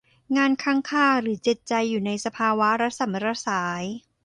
งานค้างคาหรือจิตใจอยู่ในสภาวะระส่ำระสาย